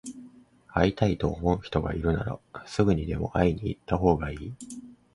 会いたいと思う人がいるなら、すぐにでも会いに行ったほうがいい。